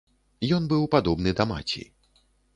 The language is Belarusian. Ён быў падобны да маці.